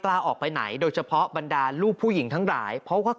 กล้าออกไปไหนโดยเฉพาะบรรดาลูกผู้หญิงทั้งหลายเพราะว่า